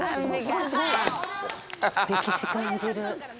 歴史を感じる。